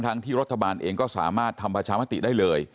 ที่รัฐบาลเองก็สามารถทำประชามติได้เลย